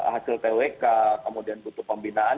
hasil twk kemudian butuh pembinaan